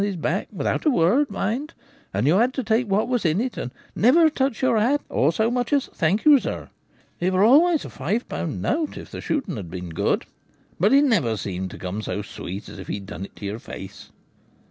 ■■■——,' l» his back — without a word, mind — and you had to take what was in it, and never touch your hat or so much as " Thank you, sir." It were always a five pound note if the shooting had been good ; but it never seemed to come so sweet as if he'd done it to your face.'